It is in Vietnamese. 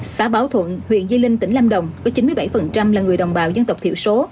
xã báo thuận huyện di linh tỉnh lâm đồng có chín mươi bảy là người đồng bào dân tộc thiểu số